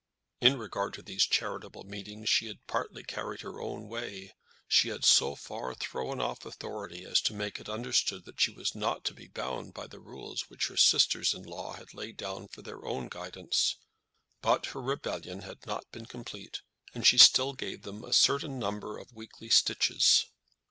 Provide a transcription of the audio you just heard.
In regard to these charitable meetings she had partly carried her own way. She had so far thrown off authority as to make it understood that she was not to be bound by the rules which her sisters in law had laid down for their own guidance. But her rebellion had not been complete, and she still gave them a certain number of weekly stitches.